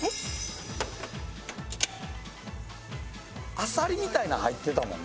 あさりみたいなん入ってたもんな。